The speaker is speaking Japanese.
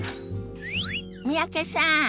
三宅さん